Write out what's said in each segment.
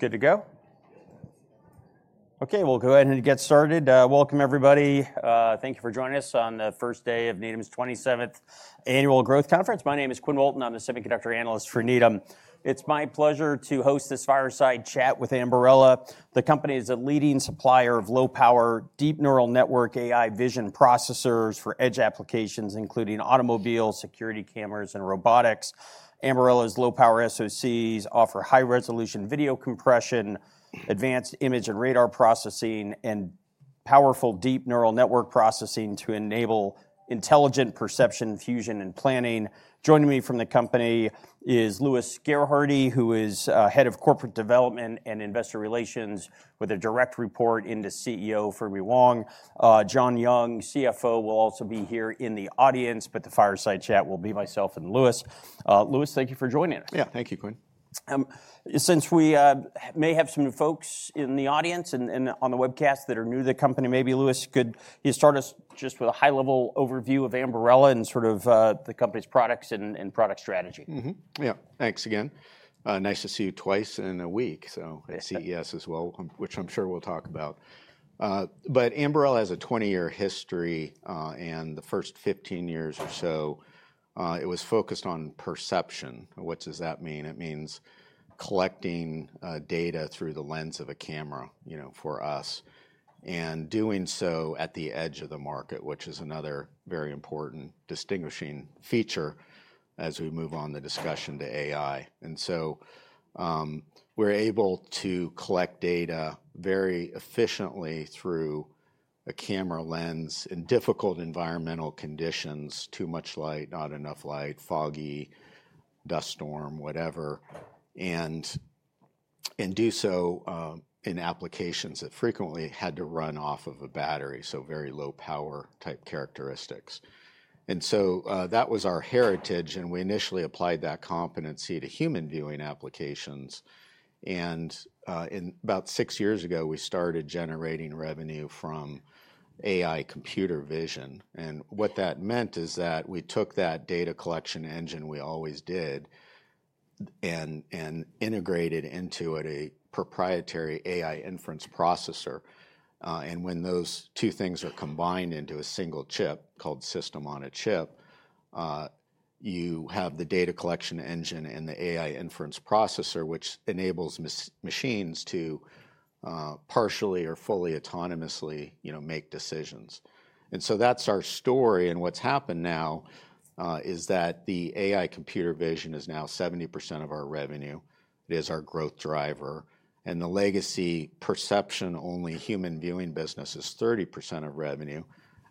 Good to go? Okay, we'll go ahead and get started. Welcome, everybody. Thank you for joining us on the first day of Needham's 27th Annual Growth Conference. My name is Quinn Bolton, and I'm the semiconductor analyst for Needham. It's my pleasure to host this fireside chat with Ambarella. The company is a leading supplier of low-power, deep neural network AI vision processors for edge applications, including automobiles, security cameras, and robotics. Ambarella's low-power SoCs offer high-resolution video compression, advanced image and radar processing, and powerful deep neural network processing to enable intelligent perception, fusion, and planning. Joining me from the company is Louis Gerhardy, who is head of corporate development and investor relations, with a direct report into CEO Fermi Wang. John Young, CFO, will also be here in the audience, but the fireside chat will be myself and Louis. Louis, thank you for joining us. Yeah, thank you, Quinn. Since we may have some folks in the audience and on the webcast that are new to the company, maybe Louis could start us just with a high-level overview of Ambarella and sort of the company's products and product strategy. Yeah, thanks again. Nice to see you twice in a week, so CES as well, which I'm sure we'll talk about. But Ambarella has a 20-year history, and the first 15 years or so, it was focused on perception. What does that mean? It means collecting data through the lens of a camera for us, and doing so at the edge of the market, which is another very important distinguishing feature as we move on the discussion to AI. And so we're able to collect data very efficiently through a camera lens in difficult environmental conditions: too much light, not enough light, foggy, dust storm, whatever, and do so in applications that frequently had to run off of a battery, so very low-power type characteristics. And so that was our heritage, and we initially applied that competency to human-viewing applications. About six years ago, we started generating revenue from AI computer vision. What that meant is that we took that data collection engine we always did and integrated into it a proprietary AI inference processor. When those two things are combined into a single chip called system on a chip, you have the data collection engine and the AI inference processor, which enables machines to partially or fully autonomously make decisions. That's our story. What's happened now is that the AI computer vision is now 70% of our revenue. It is our growth driver. The legacy perception-only human-viewing business is 30% of revenue,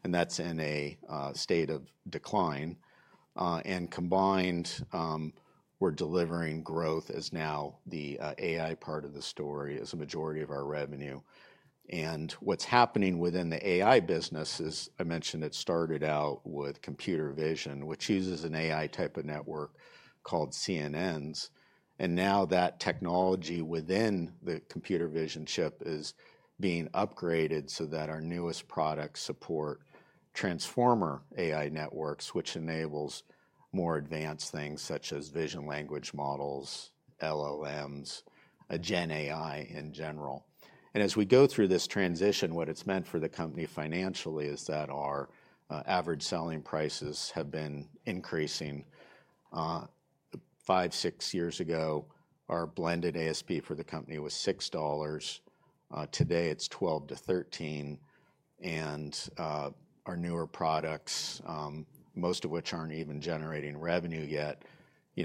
and that's in a state of decline. Combined, we're delivering growth as now the AI part of the story is a majority of our revenue. What's happening within the AI business is, I mentioned it started out with computer vision, which uses an AI type of network called CNNs. Now that technology within the computer vision chip is being upgraded so that our newest products support transformer AI networks, which enables more advanced things such as vision language models, LLMs, and Gen AI in general. As we go through this transition, what it's meant for the company financially is that our average selling prices have been increasing. Five, six years ago, our blended ASP for the company was $6. Today, it's $12-$13. Our newer products, most of which aren't even generating revenue yet,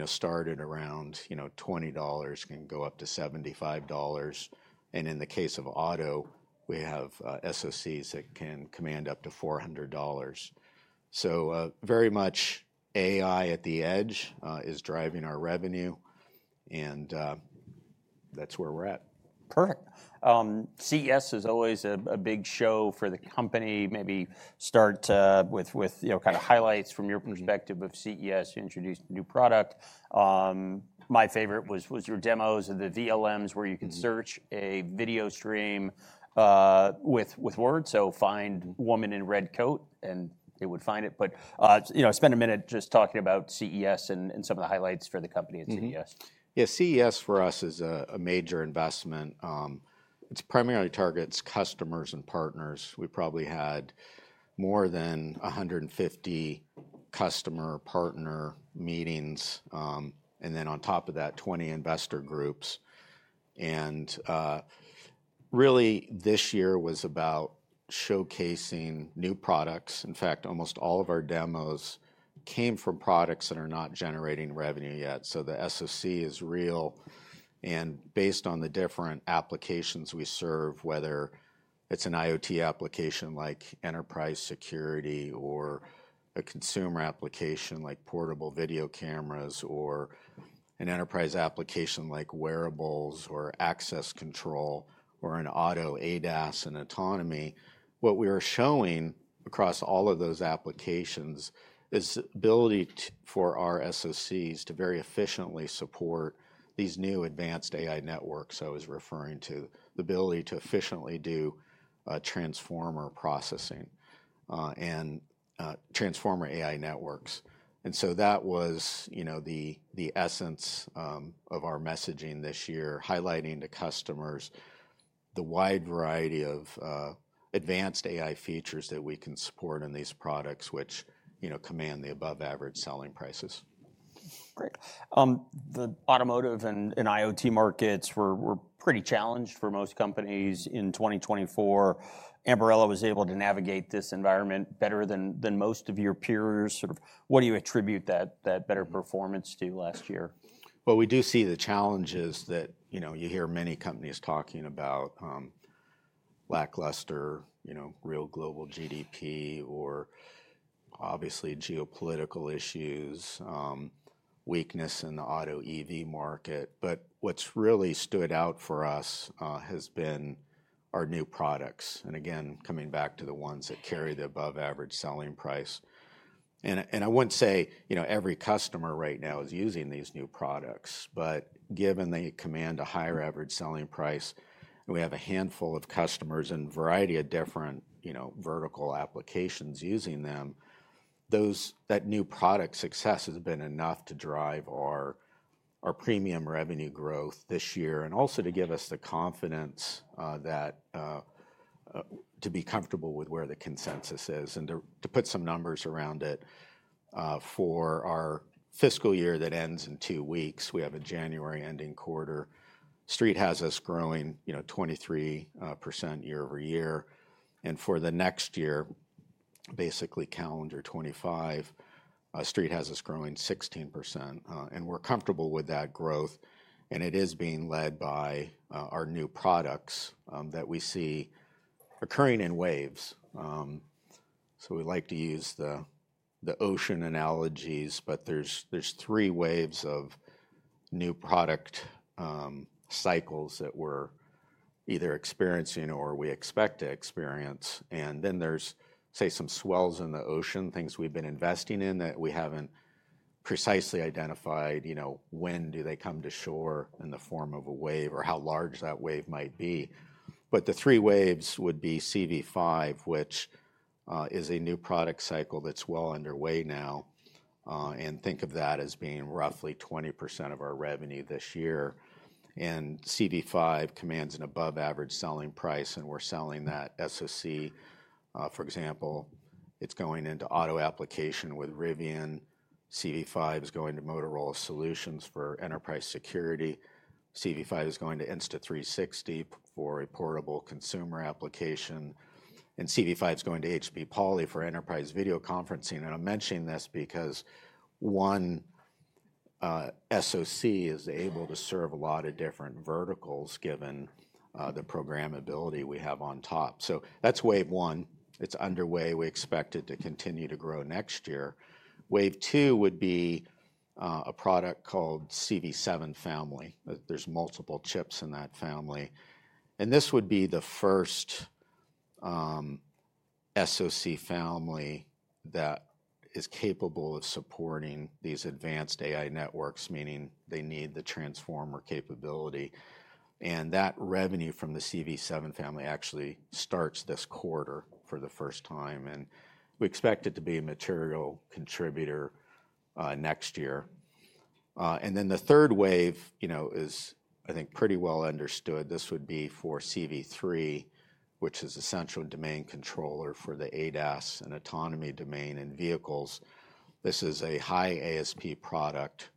started around $20, can go up to $75. In the case of auto, we have SoCs that can command up to $400. So very much AI at the edge is driving our revenue, and that's where we're at. Perfect. CES is always a big show for the company. Maybe start with kind of highlights from your perspective of CES. You introduced a new product. My favorite was your demos of the VLMs, where you can search a video stream with words. So find woman in red coat, and it would find it. But spend a minute just talking about CES and some of the highlights for the company at CES. Yeah, CES for us is a major investment. It primarily targets customers and partners. We probably had more than 150 customer partner meetings, and then on top of that, 20 investor groups, and really, this year was about showcasing new products. In fact, almost all of our demos came from products that are not generating revenue yet, so the SoC is real, and based on the different applications we serve, whether it's an IoT application like enterprise security or a consumer application like portable video cameras or an enterprise application like wearables or access control or an auto ADAS and autonomy, what we are showing across all of those applications is the ability for our SoCs to very efficiently support these new advanced AI networks I was referring to, the ability to efficiently do transformer processing and transformer AI networks. That was the essence of our messaging this year, highlighting to customers the wide variety of advanced AI features that we can support in these products, which command the above-average selling prices. Great. The automotive and IoT markets were pretty challenged for most companies in 2024. Ambarella was able to navigate this environment better than most of your peers. Sort of what do you attribute that better performance to last year? We do see the challenges that you hear many companies talking about: lackluster real global GDP, or obviously geopolitical issues, weakness in the auto EV market. But what's really stood out for us has been our new products. And again, coming back to the ones that carry the above-average selling price. And I wouldn't say every customer right now is using these new products, but given they command a higher average selling price, and we have a handful of customers in a variety of different vertical applications using them, that new product success has been enough to drive our premium revenue growth this year, and also to give us the confidence to be comfortable with where the consensus is, and to put some numbers around it. For our fiscal year that ends in two weeks, we have a January-ending quarter. Street has us growing 23% year over year. For the next year, basically calendar 2025, Street has us growing 16%. We're comfortable with that growth. It is being led by our new products that we see occurring in waves. We like to use the ocean analogies, but there are three waves of new product cycles that we're either experiencing or we expect to experience. Then there are, say, some swells in the ocean, things we've been investing in that we haven't precisely identified when they come to shore in the form of a wave or how large that wave might be. The three waves would be CV5, which is a new product cycle that's well underway now. Think of that as being roughly 20% of our revenue this year. CV5 commands an above-average selling price, and we're selling that SoC. For example, it's going into auto application with Rivian. CV5 is going to Motorola Solutions for enterprise security. CV5 is going to Insta360 for a portable consumer application, and CV5 is going to HP Poly for enterprise video conferencing, and I'm mentioning this because one SoC is able to serve a lot of different verticals given the programmability we have on top, so that's wave one. It's underway. We expect it to continue to grow next year. Wave two would be a product called CV7 family. There's multiple chips in that family, and this would be the first SoC family that is capable of supporting these advanced AI networks, meaning they need the transformer capability, and that revenue from the CV7 family actually starts this quarter for the first time, and we expect it to be a material contributor next year, and then the third wave is, I think, pretty well understood. This would be for CV3, which is a central domain controller for the ADAS and autonomy domain in vehicles. This is a high ASP product,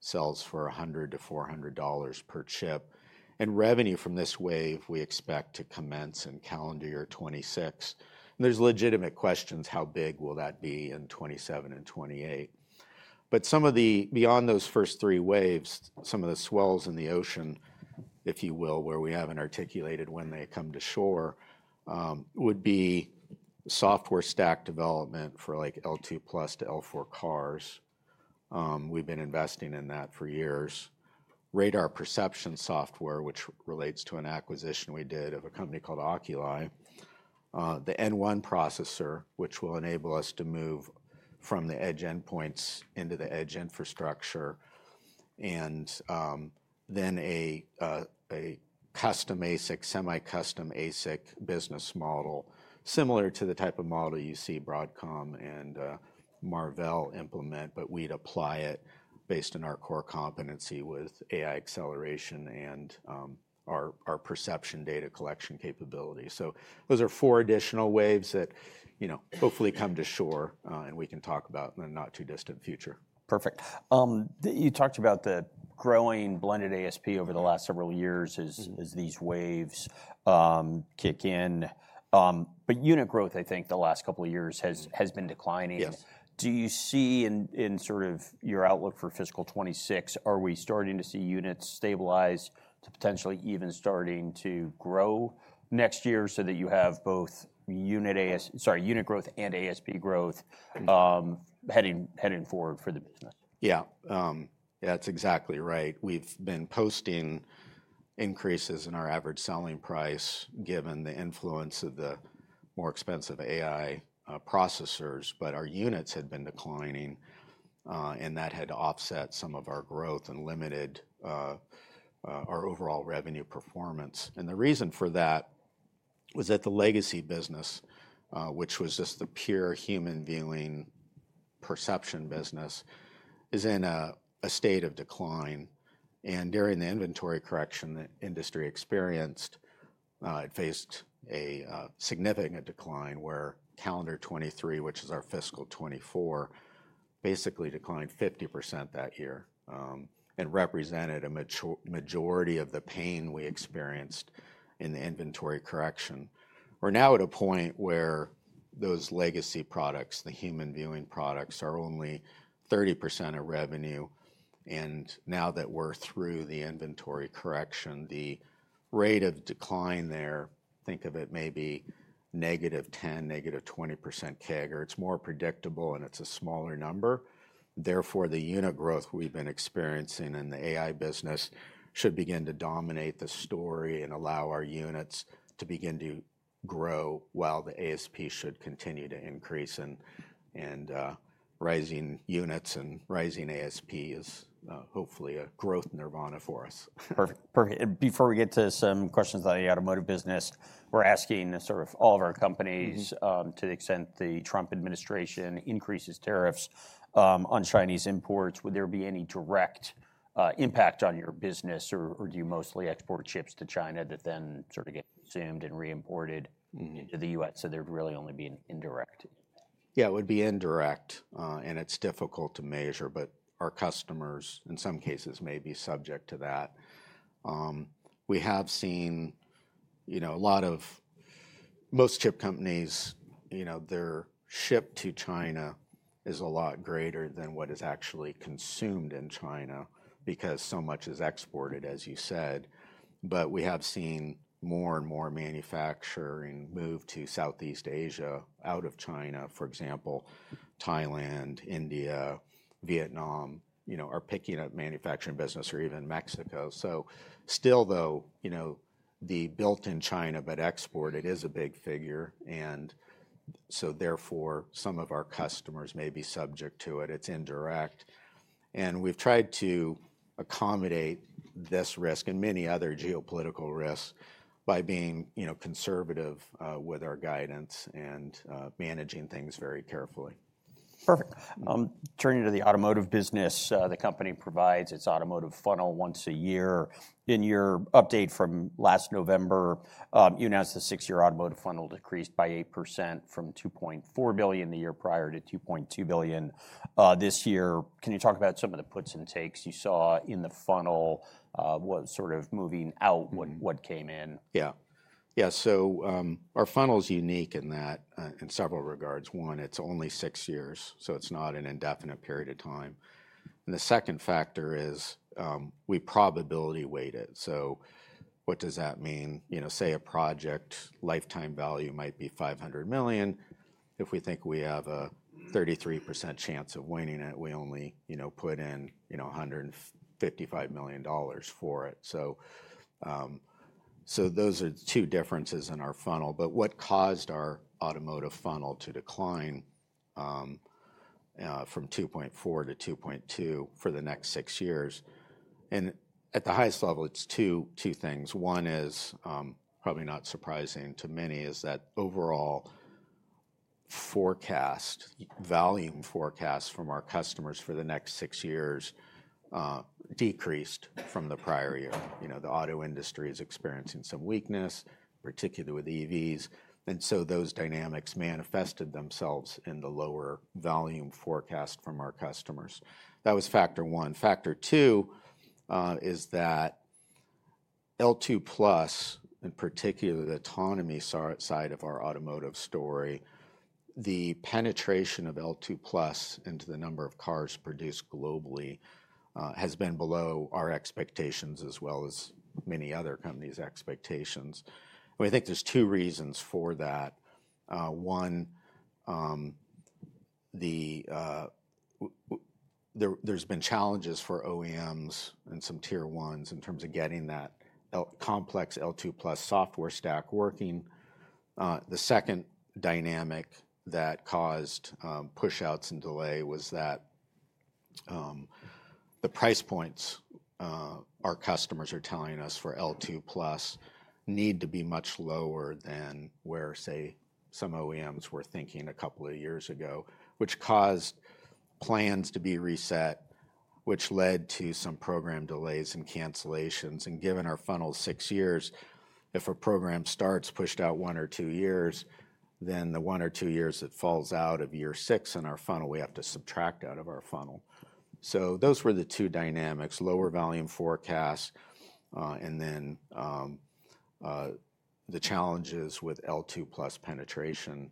sells for $100-$400 per chip, and revenue from this wave we expect to commence in calendar year 2026, and there's legitimate questions: how big will that be in 2027 and 2028? But some of the, beyond those first three waves, some of the swells in the ocean, if you will, where we haven't articulated when they come to shore, would be software stack development for like L2 plus to L4 cars. We've been investing in that for years. Radar perception software, which relates to an acquisition we did of a company called Oculii. The N1 processor, which will enable us to move from the edge endpoints into the edge infrastructure. Then a custom ASIC, semi-custom ASIC business model, similar to the type of model you see Broadcom and Marvell implement, but we'd apply it based on our core competency with AI acceleration and our perception data collection capability. Those are four additional waves that hopefully come to shore, and we can talk about in the not-too-distant future. Perfect. You talked about the growing blended ASP over the last several years as these waves kick in. But unit growth, I think the last couple of years has been declining. Do you see in sort of your outlook for fiscal 2026, are we starting to see units stabilize to potentially even starting to grow next year so that you have both unit growth and ASP growth heading forward for the business? Yeah. Yeah, that's exactly right. We've been posting increases in our average selling price given the influence of the more expensive AI processors, but our units had been declining, and that had offset some of our growth and limited our overall revenue performance. And the reason for that was that the legacy business, which was just the pure human-viewing perception business, is in a state of decline. And during the inventory correction the industry experienced, it faced a significant decline where calendar 2023, which is our fiscal 2024, basically declined 50% that year and represented a majority of the pain we experienced in the inventory correction. We're now at a point where those legacy products, the human-viewing products, are only 30% of revenue. And now that we're through the inventory correction, the rate of decline there, think of it maybe negative 10%, negative 20% CAGR. It's more predictable, and it's a smaller number. Therefore, the unit growth we've been experiencing in the AI business should begin to dominate the story and allow our units to begin to grow while the ASP should continue to increase. And rising units and rising ASP is hopefully a growth nirvana for us. Perfect. Before we get to some questions on the automotive business, we're asking sort of all of our companies to the extent the Trump administration increases tariffs on Chinese imports, would there be any direct impact on your business, or do you mostly export chips to China that then sort of get consumed and re-imported into the U.S.? So there'd really only be an indirect. Yeah, it would be indirect, and it's difficult to measure, but our customers in some cases may be subject to that. We have seen a lot of most chip companies, their ship to China is a lot greater than what is actually consumed in China because so much is exported, as you said. But we have seen more and more manufacturing move to Southeast Asia out of China. For example, Thailand, India, Vietnam are picking up manufacturing business, or even Mexico. So still, though, the built in China but export, it is a big figure. And so therefore, some of our customers may be subject to it. It's indirect. And we've tried to accommodate this risk and many other geopolitical risks by being conservative with our guidance and managing things very carefully. Perfect. Turning to the automotive business, the company provides its automotive funnel once a year. In your update from last November, you announced the six-year automotive funnel decreased by 8% from $2.4 billion the year prior to $2.2 billion this year. Can you talk about some of the puts and takes you saw in the funnel? What sort of moving out, what came in? Yeah. Yeah, so our funnel is unique in that in several regards. One, it's only six years, so it's not an indefinite period of time. And the second factor is we probability weight it. So what does that mean? Say a project lifetime value might be $500 million. If we think we have a 33% chance of winning it, we only put in $155 million for it. So those are two differences in our funnel. But what caused our automotive funnel to decline from $2.4-$2.2 for the next six years? And at the highest level, it's two things. One is probably not surprising to many is that overall forecast, volume forecast from our customers for the next six years decreased from the prior year. The auto industry is experiencing some weakness, particularly with EVs. And so those dynamics manifested themselves in the lower volume forecast from our customers. That was factor one. Factor two is that L2+, in particular the autonomy side of our automotive story, the penetration of L2+ into the number of cars produced globally has been below our expectations as well as many other companies' expectations. We think there's two reasons for that. One, there's been challenges for OEMs and some Tier 1s in terms of getting that complex L2+ software stack working. The second dynamic that caused push-outs and delay was that the price points our customers are telling us for L2+ need to be much lower than where, say, some OEMs were thinking a couple of years ago, which caused plans to be reset, which led to some program delays and cancellations. Given our six-year funnel, if a program start is pushed out one or two years, then the one or two years that fall out of year six in our funnel, we have to subtract out of our funnel. Those were the two dynamics: lower volume forecast, and then the challenges with L2+ penetration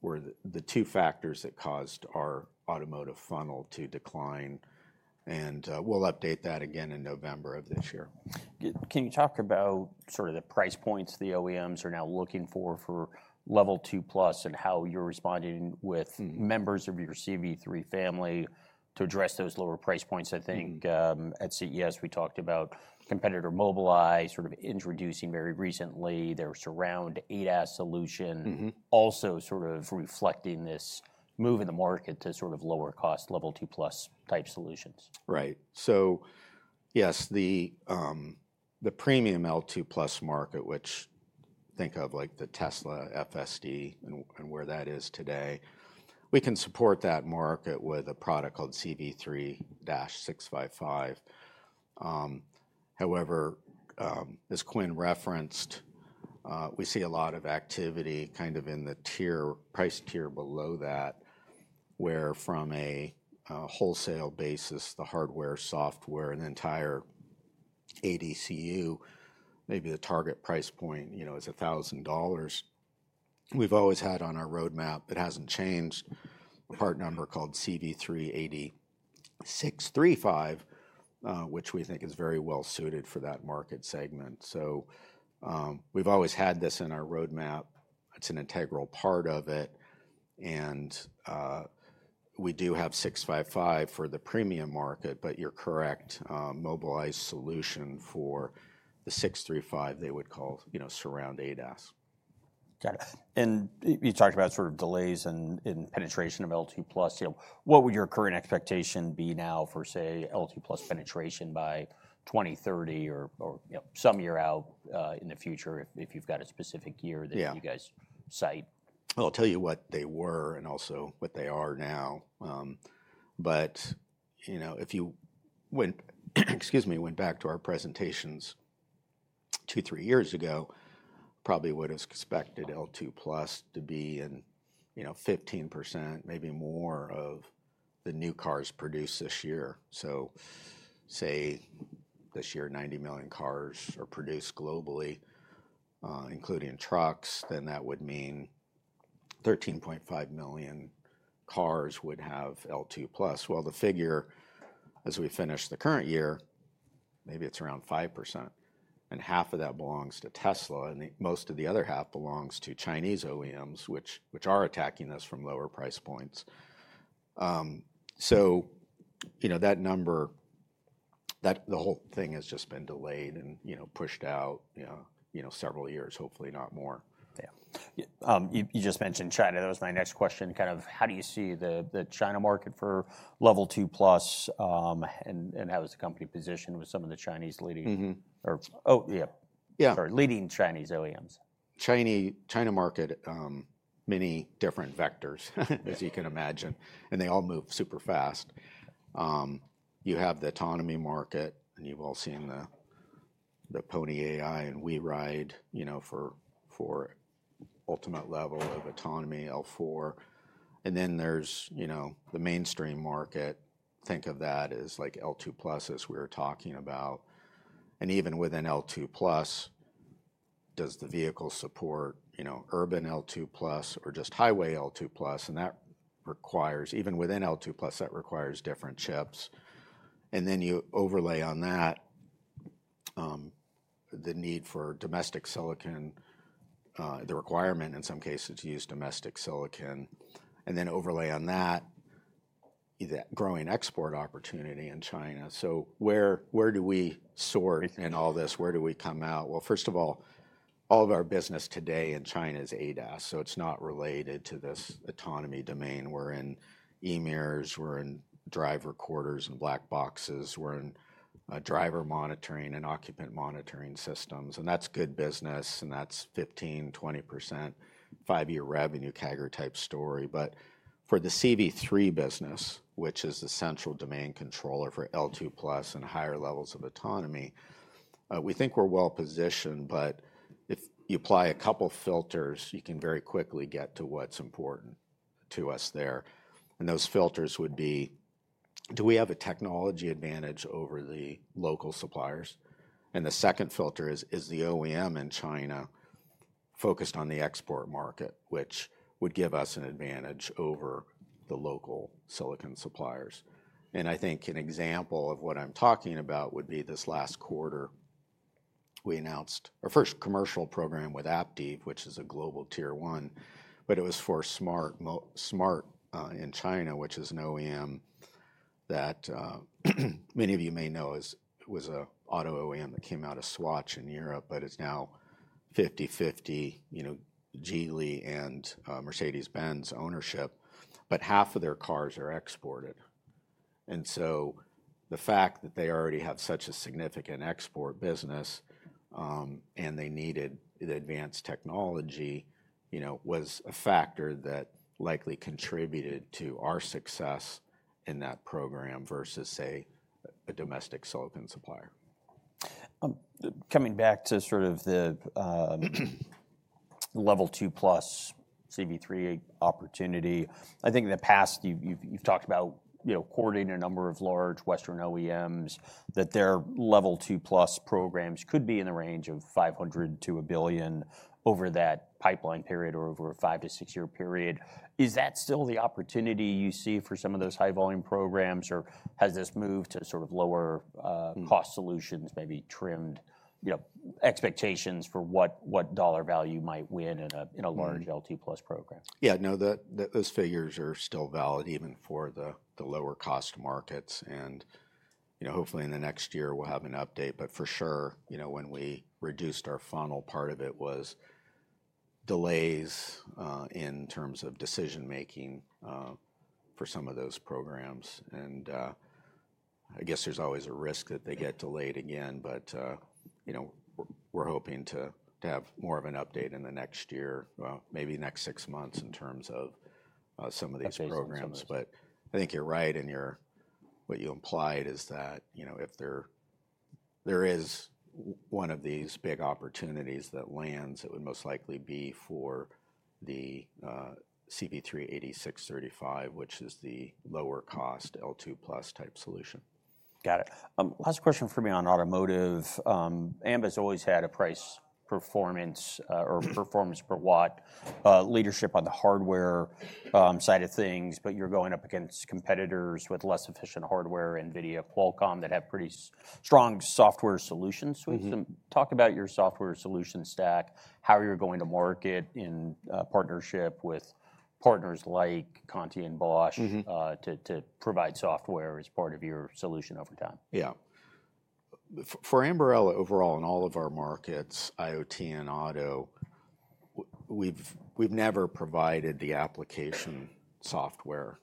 were the two factors that caused our automotive funnel to decline. We'll update that again in November of this year. Can you talk about sort of the price points the OEMs are now looking for for Level 2+ and how you're responding with members of your CV3 family to address those lower price points? I think at CES we talked about competitor Mobileye sort of introducing very recently their surround ADAS solution, also sort of reflecting this move in the market to sort of lower cost Level 2+ type solutions. Right. So yes, the premium L2 plus market, which think of like the Tesla FSD and where that is today, we can support that market with a product called CV3-655. However, as Quinn referenced, we see a lot of activity kind of in the price tier below that, where from a wholesale basis, the hardware, software, and the entire ADCU, maybe the target price point is $1,000. We've always had on our roadmap, it hasn't changed, a part number called CV3-8635, which we think is very well suited for that market segment. So we've always had this in our roadmap. It's an integral part of it. And we do have 655 for the premium market, but you're correct, Mobileye's solution for the 8635, they would call surround ADAS. Got it. And you talked about sort of delays in penetration of L2 plus. What would your current expectation be now for, say, L2 plus penetration by 2030 or some year out in the future if you've got a specific year that you guys cite? I'll tell you what they were and also what they are now. But if you went, excuse me, went back to our presentations two, three years ago, probably would have expected L2+ to be in 15%, maybe more of the new cars produced this year. So say this year 90 million cars are produced globally, including trucks, then that would mean 13.5 million cars would have L2+. The figure as we finish the current year, maybe it's around 5%. And half of that belongs to Tesla, and most of the other half belongs to Chinese OEMs, which are attacking us from lower price points. So that number, that the whole thing has just been delayed and pushed out several years, hopefully not more. Yeah. You just mentioned China. That was my next question. Kind of how do you see the China market for Level 2+ and how is the company positioned with some of the leading Chinese OEMs? China market, many different vectors, as you can imagine, and they all move super fast. You have the autonomy market, and you've all seen the Pony.ai and WeRide for ultimate level of autonomy L4. And then there's the mainstream market. Think of that as like L2 plus as we were talking about. And even within L2 plus, does the vehicle support urban L2 plus or just highway L2 plus? And that requires, even within L2 plus, that requires different chips. And then you overlay on that the need for domestic silicon, the requirement in some cases to use domestic silicon. And then overlay on that, the growing export opportunity in China. So where do we fit in all this? Where do we come out? Well, first of all, all of our business today in China is ADAS, so it's not related to this autonomy domain. We're in e-mirrors, we're in drive recorders and black boxes, we're in driver monitoring and occupant monitoring systems. And that's good business, and that's 15%-20%, five-year revenue CAGR type story. But for the CV3 business, which is the central domain controller for L2+ and higher levels of autonomy, we think we're well positioned, but if you apply a couple of filters, you can very quickly get to what's important to us there. And those filters would be, do we have a technology advantage over the local suppliers? And the second filter is, is the OEM in China focused on the export market, which would give us an advantage over the local silicon suppliers? I think an example of what I'm talking about would be this last quarter. We announced our first commercial program with Aptiv, which is a global tier one, but it was for Smart in China, which is an OEM that many of you may know was an auto OEM that came out of Swatch in Europe, but it's now 50/50 Geely and Mercedes-Benz ownership, but half of their cars are exported. And so the fact that they already have such a significant export business and they needed the advanced technology was a factor that likely contributed to our success in that program versus, say, a domestic silicon supplier. Coming back to sort of the level two plus CV3 opportunity, I think in the past you've talked about courting a number of large Western OEMs, that their level two plus programs could be in the range of $500-$1 billion over that pipeline period or over a five- to six-year period. Is that still the opportunity you see for some of those high-volume programs, or has this moved to sort of lower cost solutions, maybe trimmed expectations for what dollar value might win in a large L2 plus program? Yeah, no, those figures are still valid even for the lower cost markets. And hopefully in the next year we'll have an update, but for sure when we reduced our funnel, part of it was delays in terms of decision-making for some of those programs. And I guess there's always a risk that they get delayed again, but we're hoping to have more of an update in the next year, maybe next six months in terms of some of these programs. But I think you're right, and what you implied is that if there is one of these big opportunities that lands, it would most likely be for the CV3-8635, which is the lower cost L2 plus type solution. Got it. Last question for me on automotive. Ambarella has always had a price performance or performance per watt leadership on the hardware side of things, but you're going up against competitors with less efficient hardware, NVIDIA, Qualcomm that have pretty strong software solutions. Talk about your software solution stack, how you're going to market in partnership with partners like Conti and Bosch to provide software as part of your solution over time. Yeah. For Ambarella overall in all of our markets, IoT and auto, we've never provided the application software.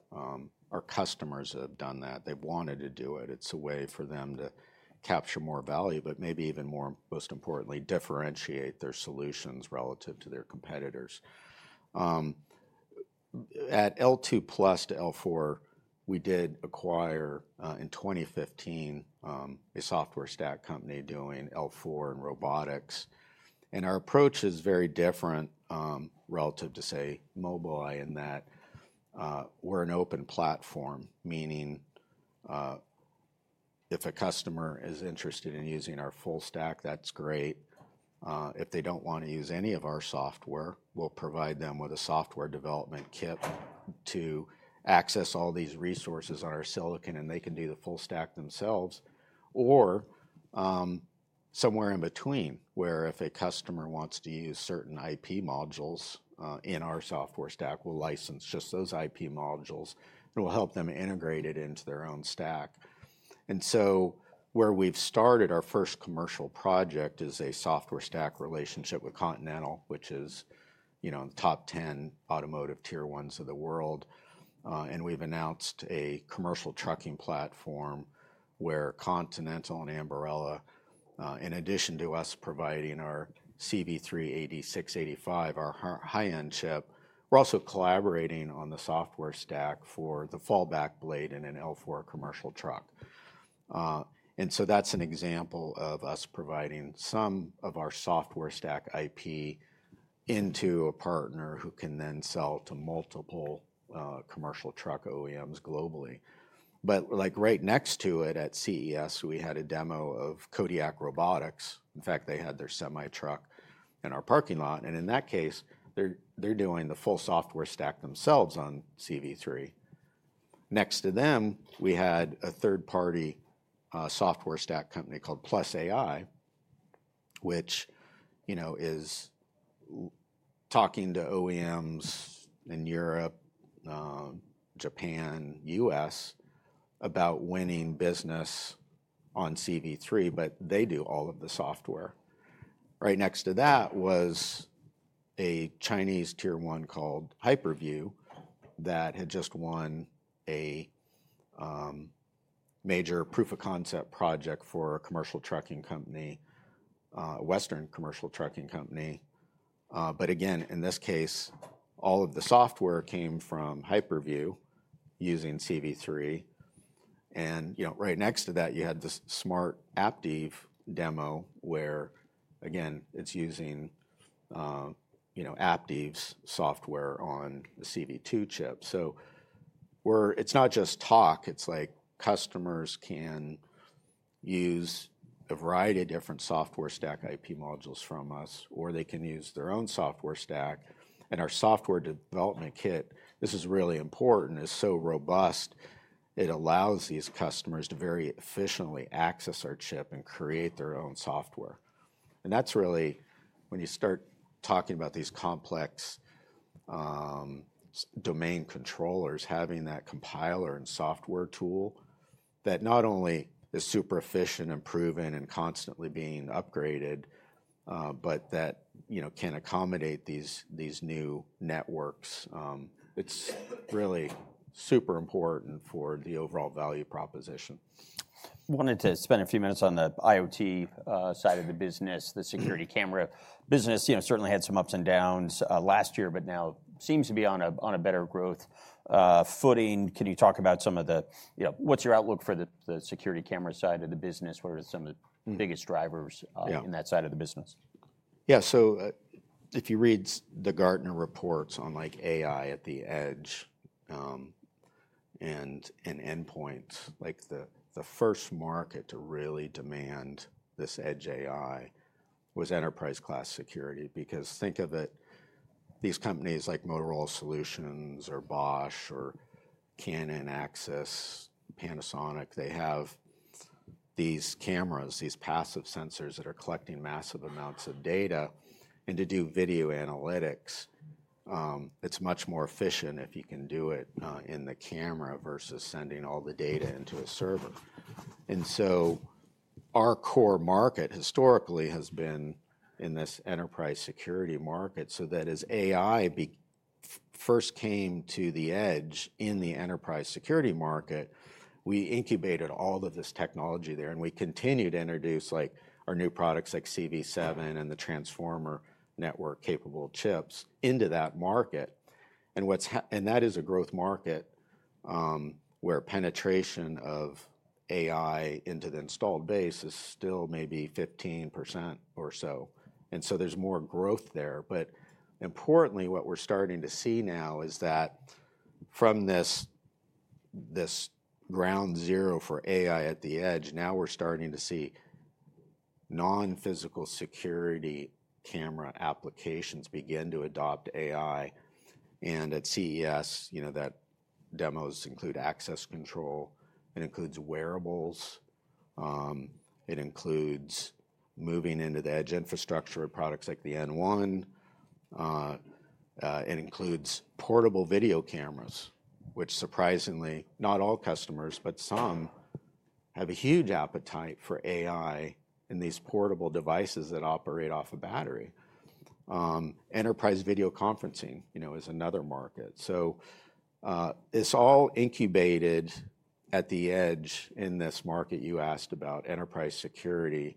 Our customers have done that. They've wanted to do it. It's a way for them to capture more value, but maybe even more, most importantly, differentiate their solutions relative to their competitors. At L2 plus to L4, we did acquire in 2015 a software stack company doing L4 and robotics. Our approach is very different relative to, say, Mobileye in that we're an open platform, meaning if a customer is interested in using our full stack, that's great. If they don't want to use any of our software, we'll provide them with a software development kit to access all these resources on our silicon, and they can do the full stack themselves. Or somewhere in between, where if a customer wants to use certain IP modules in our software stack, we'll license just those IP modules, and we'll help them integrate it into their own stack. And so where we've started our first commercial project is a software stack relationship with Continental, which is the top 10 automotive tier ones of the world. And we've announced a commercial trucking platform where Continental and Ambarella, in addition to us providing our CV3-8685, our high-end chip, we're also collaborating on the software stack for the fallback blade in an L4 commercial truck. And so that's an example of us providing some of our software stack IP into a partner who can then sell to multiple commercial truck OEMs globally. But like right next to it at CES, we had a demo of Kodiak Robotics. In fact, they had their semi truck in our parking lot. And in that case, they're doing the full software stack themselves on CV3. Next to them, we had a third-party software stack company called Plus.ai, which is talking to OEMs in Europe, Japan, U.S. about winning business on CV3, but they do all of the software. Right next to that was a Chinese Tier 1 called Hyperview that had just won a major proof of concept project for a commercial trucking company, a Western commercial trucking company. But again, in this case, all of the software came from Hyperview using CV3. And right next to that, you had the Smart Aptiv demo where, again, it's using Aptiv's software on the CV2 chip. So it's not just talk, it's like customers can use a variety of different software stack IP modules from us, or they can use their own software stack. And our software development kit, this is really important, is so robust, it allows these customers to very efficiently access our chip and create their own software. And that's really when you start talking about these complex domain controllers, having that compiler and software tool that not only is super efficient and proven and constantly being upgraded, but that can accommodate these new networks. It's really super important for the overall value proposition. Wanted to spend a few minutes on the IoT side of the business, the security camera business. Certainly had some ups and downs last year, but now seems to be on a better growth footing. Can you talk about some of the, what's your outlook for the security camera side of the business? What are some of the biggest drivers in that side of the business? Yeah. So if you read the Gartner reports on AI at the edge and endpoints, like the first market to really demand this edge AI was enterprise-class security. Because think of it, these companies like Motorola Solutions or Bosch or Canon, Axis, Panasonic, they have these cameras, these passive sensors that are collecting massive amounts of data. And to do video analytics, it's much more efficient if you can do it in the camera versus sending all the data into a server. And so our core market historically has been in this enterprise security market. So that as AI first came to the edge in the enterprise security market, we incubated all of this technology there, and we continued to introduce our new products like CV7 and the transformer network capable chips into that market. That is a growth market where penetration of AI into the installed base is still maybe 15% or so. There's more growth there. Importantly, what we're starting to see now is that from this ground zero for AI at the edge, now we're starting to see non-physical security camera applications begin to adopt AI. At CES, those demos include access control, it includes wearables, it includes moving into the edge infrastructure with products like the N1, it includes portable video cameras, which surprisingly, not all customers, but some have a huge appetite for AI in these portable devices that operate off a battery. Enterprise video conferencing is another market. It's all incubated at the edge in this market you asked about enterprise security.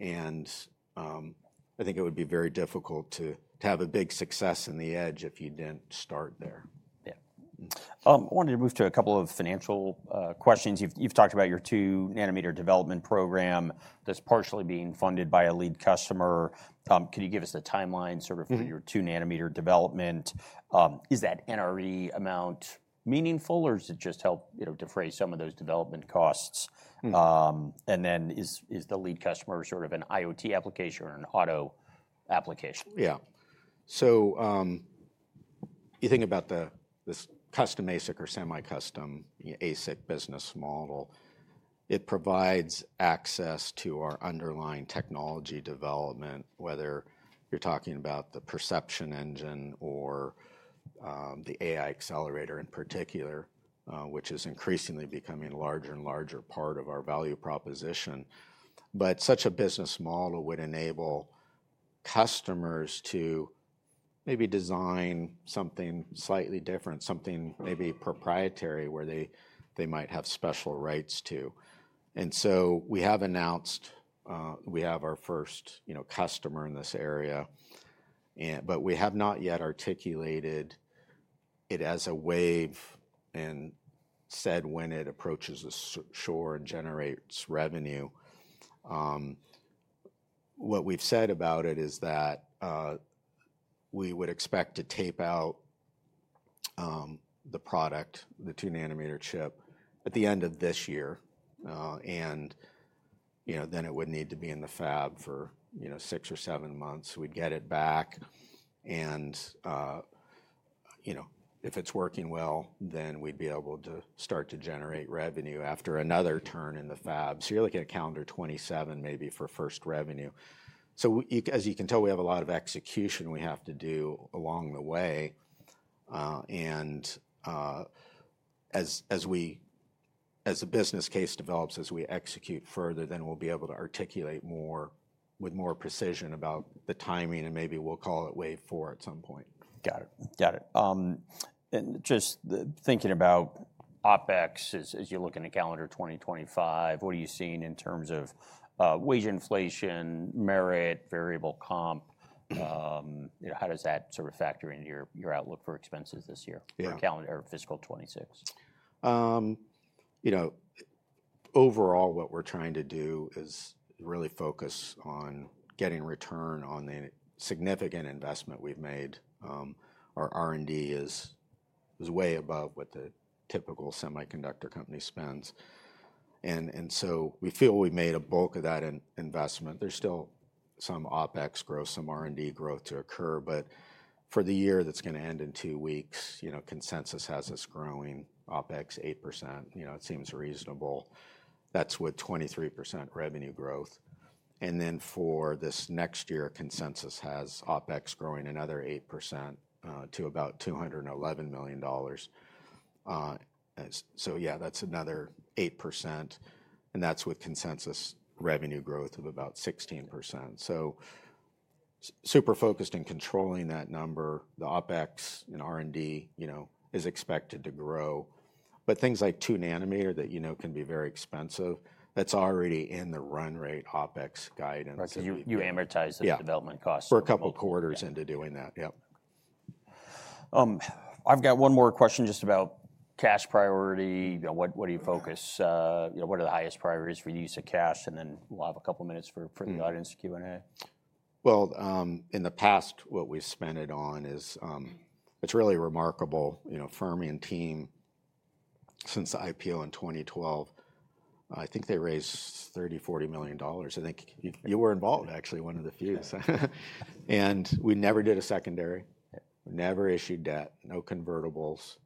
I think it would be very difficult to have a big success in the edge if you didn't start there. Yeah. I wanted to move to a couple of financial questions. You've talked about your two-nanometer development program that's partially being funded by a lead customer. Could you give us the timeline sort of for your two-nanometer development? Is that NRE amount meaningful, or does it just help defray some of those development costs? And then is the lead customer sort of an IoT application or an auto application? Yeah, so you think about this custom ASIC or semi-custom ASIC business model. It provides access to our underlying technology development, whether you're talking about the perception engine or the AI accelerator in particular, which is increasingly becoming a larger and larger part of our value proposition. Such a business model would enable customers to maybe design something slightly different, something maybe proprietary where they might have special rights to. We have announced we have our first customer in this area, but we have not yet articulated it as a wave and said when it approaches the shore and generates revenue. What we've said about it is that we would expect to tape out the product, the two-nanometer chip, at the end of this year, and then it would need to be in the fab for six or seven months. We'd get it back, and if it's working well, then we'd be able to start to generate revenue after another turn in the fab. So you're looking at calendar 2027 maybe for first revenue. So as you can tell, we have a lot of execution we have to do along the way. And as the business case develops, as we execute further, then we'll be able to articulate more with more precision about the timing, and maybe we'll call it wave four at some point. Got it. Got it. And just thinking about OpEx, as you look in the calendar 2025, what are you seeing in terms of wage inflation, merit, variable comp? How does that sort of factor into your outlook for expenses this year or fiscal 2026? Overall, what we're trying to do is really focus on getting return on the significant investment we've made. Our R&D is way above what the typical semiconductor company spends. And so we feel we made a bulk of that investment. There's still some OpEx growth, some R&D growth to occur, but for the year that's going to end in two weeks, consensus has us growing OpEx 8%. It seems reasonable. That's with 23% revenue growth. And then for this next year, consensus has OpEx growing another 8% to about $211 million. So yeah, that's another 8%. And that's with consensus revenue growth of about 16%. So super focused in controlling that number, the OpEx and R&D is expected to grow. But things like two-nanometer that can be very expensive, that's already in the run rate OpEx guidance. Right, so you amortize the development cost. Yeah. We're a couple of quarters into doing that. Yep. I've got one more question just about cash priority. What do you focus? What are the highest priorities for use of cash? And then we'll have a couple of minutes for the audience Q&A. In the past, what we've spent it on is it's really remarkable. Fermi and team since the IPO in 2012, I think they raised $30-$40 million. I think you were involved, actually, one of the few. We never did a secondary. We never issued debt, no convertibles.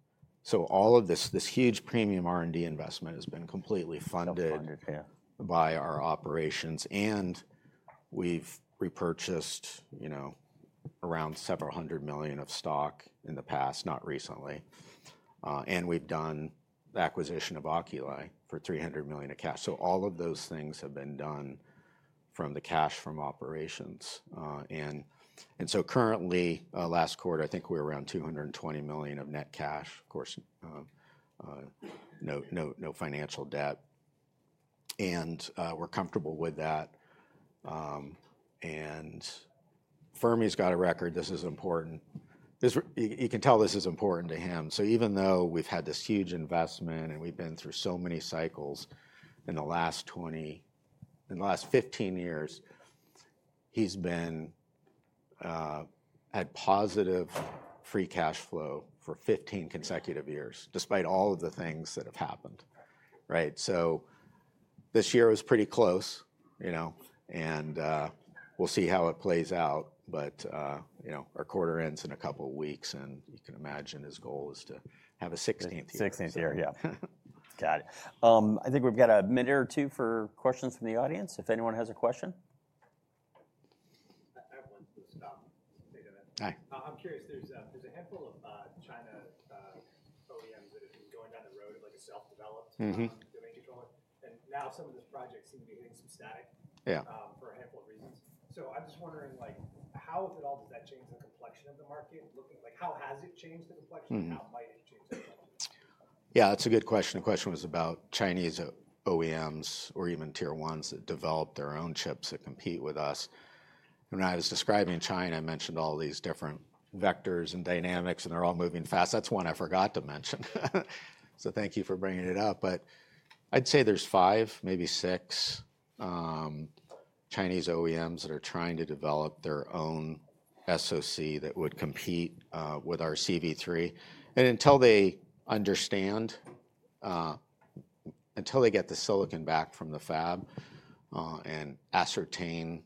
All of this huge premium R&D investment has been completely funded by our operations. We've repurchased around several hundred million of stock in the past, not recently. We've done the acquisition of Oculii for $300 million of cash. All of those things have been done from the cash from operations. Currently, last quarter, I think we're around $220 million of net cash, of course, no financial debt. We're comfortable with that. Fermi's got a record. This is important. You can tell this is important to him. Even though we've had this huge investment and we've been through so many cycles in the last 15 years, he's had positive free cash flow for 15 consecutive years, despite all of the things that have happened. Right? This year was pretty close. And we'll see how it plays out. But our quarter ends in a couple of weeks. And you can imagine his goal is to have a 16th year. 16th year. Yeah. Got it. I think we've got a minute or two for questions from the audience. If anyone has a question. I have one for the staff. Hi. so I'm just wondering, how, if at all, does that change the complexion of the market? How has it changed the complexion, and how might it change the complexion? Yeah, that's a good question. The question was about Chinese OEMs or even Tier 1s that develop their own chips that compete with us. When I was describing China, I mentioned all these different vectors and dynamics, and they're all moving fast. That's one I forgot to mention. So thank you for bringing it up. But I'd say there's five, maybe six Chinese OEMs that are trying to develop their own SoC that would compete with our CV3. And until they understand, until they get the silicon back from the fab and ascertain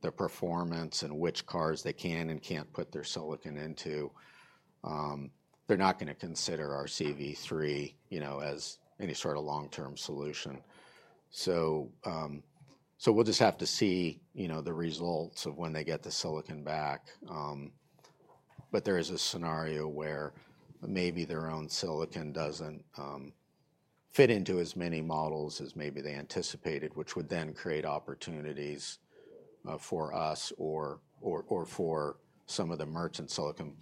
their performance and which cars they can and can't put their silicon into, they're not going to consider our CV3 as any sort of long-term solution. So we'll just have to see the results of when they get the silicon back. But there is a scenario where maybe their own silicon doesn't fit into as many models as maybe they anticipated, which would then create opportunities for us or for some of the merchant silicon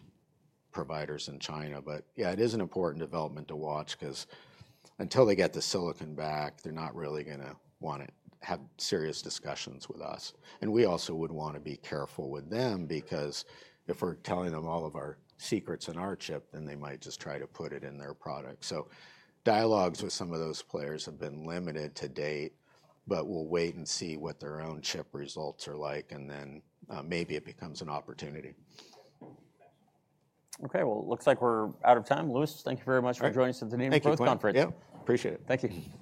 providers in China. But yeah, it is an important development to watch because until they get the silicon back, they're not really going to want to have serious discussions with us. And we also would want to be careful with them because if we're telling them all of our secrets in our chip, then they might just try to put it in their product. So dialogues with some of those players have been limited to date, but we'll wait and see what their own chip results are like, and then maybe it becomes an opportunity. Okay. Well, it looks like we're out of time. Louis, thank you very much for joining us at the Needham conference. Thank you. Yep. Appreciate it. Thank you.